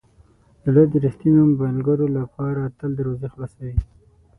زړه د ریښتینو ملګرو لپاره تل دروازې خلاصوي.